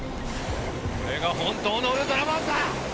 俺が本当のウルトラマンだ！